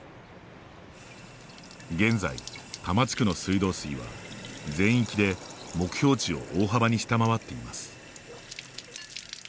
現在、多摩地区の水道水は全域で目標値を大幅に下回っています。